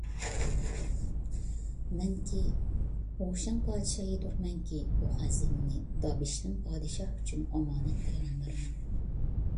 مەنكى ھۇشەڭ پادىشاھىدۇرمەنكى، بۇ خەزىنىنى دابىشلىم پادىشاھ ئۈچۈن ئامانەت قويغاندۇرمەن.